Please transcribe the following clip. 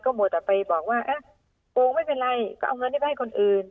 มัวแต่ไปบอกว่าโกงไม่เป็นไรก็เอาเงินนี้ไปให้คนอื่น